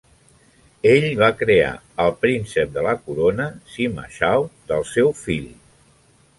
Ell va crear el príncep de la corona Sima Shao del seu fill.